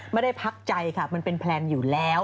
ไม่ได้พักใจค่ะมันเป็นแพลนอยู่แล้ว